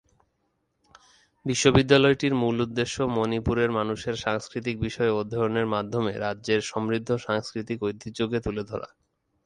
বিশ্ববিদ্যালয়টির মূল উদ্দেশ্য মণিপুরের মানুষের সাংস্কৃতিক বিষয়ে অধ্যয়নের মাধ্যমে রাজ্যের সমৃদ্ধ সাংস্কৃতিক ঐতিহ্যকে তুলে ধরা।